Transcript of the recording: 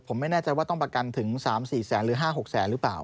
ผมไม่แน่ใจว่าต้องประกันถึง๓๔แสนหรือ๕๖แสนหรือเปล่า